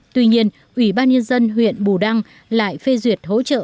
tuy nhiên ủy ban nhân dân huyện bù đăng lại phê duyệt hỗ trợ